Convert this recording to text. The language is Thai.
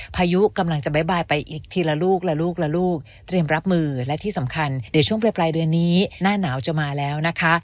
พายุกำลังจะบ๊ายไปอีกทีละลูกละลูกละลูกเตรียมรับมือและที่สำคัญเดี๋ยวช่วงปลายเดือนนี้หน้าหนาวจะมาแล้วนะคะ